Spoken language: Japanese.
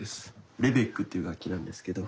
「レベック」っていう楽器なんですけど。